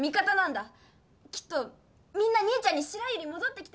きっとみんな兄ちゃんに白百合戻ってきてほしいんだよ。